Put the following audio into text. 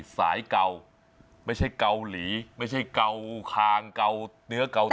สายเก่าไม่ใช่เกาหลีไม่ใช่เกาคางเกาเนื้อเกา